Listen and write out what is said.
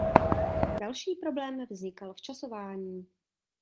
Další problém vznikal v časování.